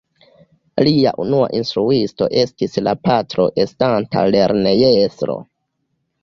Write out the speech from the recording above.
Lia unua instruisto estis la patro estanta lernejestro.